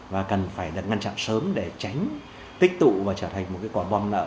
và cần phải được ngăn chặn sớm để tránh tích tụ và trở thành một quả bom nợ